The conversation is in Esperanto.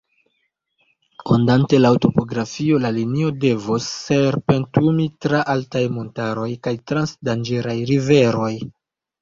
Ondante laŭ topografio, la linio devos serpentumi tra altaj montaroj kaj trans danĝeraj riveroj.